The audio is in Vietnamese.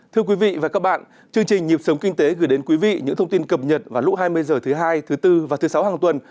thưa quý vị và các bạn chương trình nhịp sống kinh tế gửi đến quý vị những thông tin cập nhật vào lúc hai mươi h thứ hai thứ bốn và thứ sáu hàng tuần